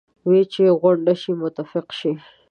وې چې غونډ شئ متفق شئ.